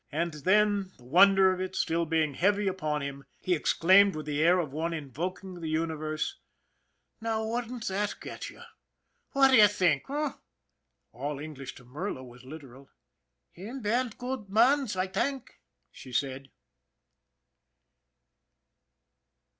And then, the wonder of it being still heavy upon him, he exclaimed with the air of one invoking the uni verse :" Now, wouldn't that get you ! What do you think, h'm?" All English to Merla was literal. " Him ban goot mans, I tank," she said.